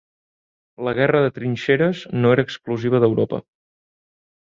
La guerra de trinxeres no era exclusiva d'Europa.